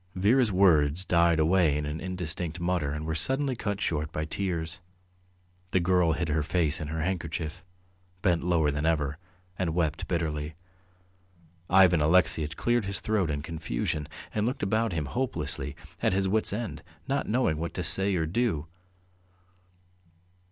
Vera's words died away in an indistinct mutter and were suddenly cut short by tears. The girl hid her face in her handkerchief, bent lower than ever, and wept bitterly. Ivan Alexeyitch cleared his throat in confusion and looked about him hopelessly, at his wits' end, not knowing what to say or do.